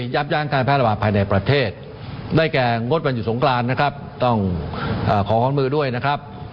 ยั้งการแพร่ระบาดภายในประเทศได้แก่งดวันหยุดสงกรานนะครับต้องขอความมือด้วยนะครับ